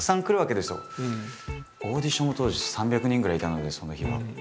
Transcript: オーディションも当時３００人ぐらいいたのでその日は。